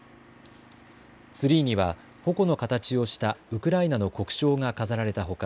ツリーにはほこの形をしたウクライナの国章が飾られたほか